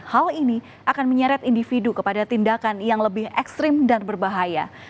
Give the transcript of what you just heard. hal ini akan menyeret individu kepada tindakan yang lebih ekstrim dan berbahaya